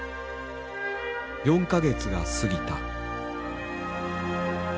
４か月が過ぎた。